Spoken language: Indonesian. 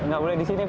gak boleh disini pak